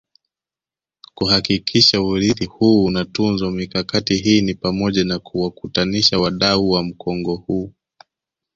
kuhakikisha urithi huu unatunzwa Mikakati hii ni pamoja na kuwakutanisha wadau wa mkongo huu